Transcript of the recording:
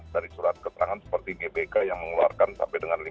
dari surat keterangan seperti gbk yang mengeluarkan data yang seperti ini